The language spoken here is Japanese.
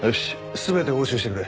全て押収してくれ。